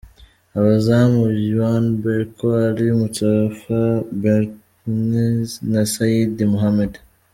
Abazamu: Yaw Berko, Ali Mustapha Barthez na Saidi Mohammed.